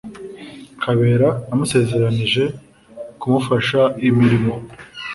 kabera namusezeranyije kumufasha imirimo